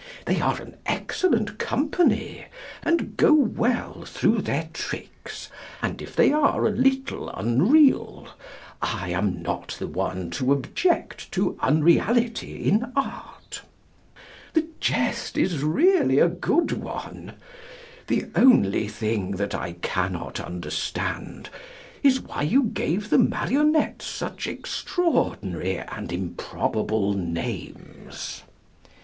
They are an excellent company, and go well through their tricks, and if they are a little unreal I am not the one to object to unreality in art. The jest is really a good one. The only thing that I cannot understand is why you gave the marionettes such extraordinary and improbable names.